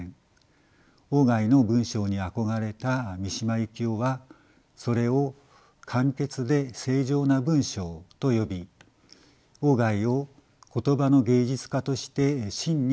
外の文章に憧れた三島由紀夫はそれを簡潔で清浄な文章と呼び外を言葉の芸術家として真に復活すべき人と語りました。